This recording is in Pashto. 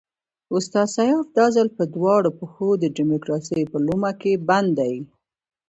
استاد سیاف دا ځل په دواړو پښو د ډیموکراسۍ په لومه کې بند دی.